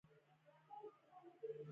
د شخړو حل باید د قانون له لارې وسي.